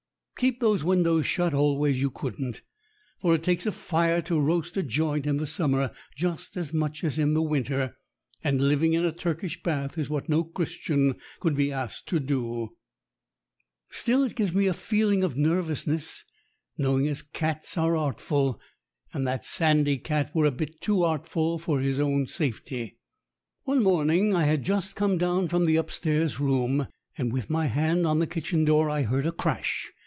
Keep those windows shut always you couldn't. For it takes a fire to roast a joint in the summer just as much as in the winter, and living in a Turkish bath is what no Christian could be asked to do. Still, it GENERAL OBSERVATIONS 93 gives me a feeling of nervousness, knowing as cats are artful. And that sandy cat were a bit too artful for his own safety. One morning I had just come down from the upstairs room, and with my hand on the kitchen door I heard a crash.